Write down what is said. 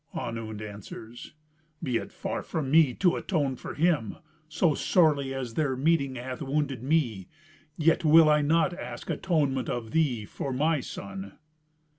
Onund answers, "Be it far from me to atone for him, so sorely as their meeting hath wounded me. Yet will I not ask atonement of thee for my son."